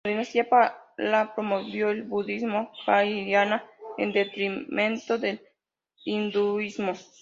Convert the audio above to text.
La dinastía Pala promovió el budismo Vajrayana, en detrimento del hinduismo.